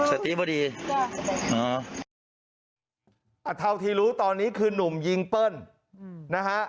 อะเท่าที่รู้ตอนนี้คือนุ่มยิงเป้ิ้ลนะฮะ